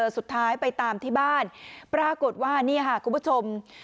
สุดท้ายไปตามที่บ้านปรากฏว่านี่ค่ะคุณผู้ชม